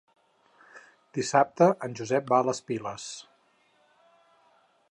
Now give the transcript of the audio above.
Dissabte en Josep va a les Piles.